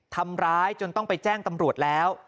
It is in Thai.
ทำร้ายจนต้องไปแจ้งตำรวจแล้ว